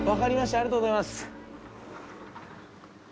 ありがとうございます。